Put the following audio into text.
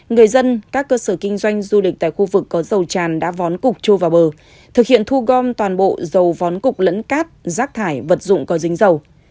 người dân các cơ sở kinh doanh du lịch tại khu vực có dầu tràn đã vón cục chua vào bờ thực hiện thu gom toàn bộ dầu vón cục lẫn cát rác thải vật dụng có dính dầu